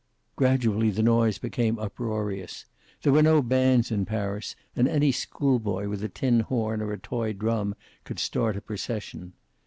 Gradually the noise became uproarious. There were no bands in Paris, and any school boy with a tin horn or a toy drum could start a procession.